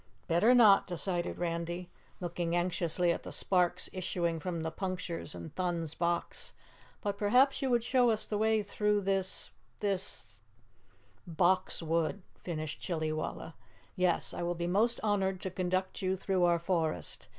"Better not," decided Randy, looking anxiously at the sparks issuing from the punctures in Thun's box. "But perhaps you would show us the way through this this " "Box Wood," finished Chillywalla. "Yes, I will be most honored to conduct you through our forest.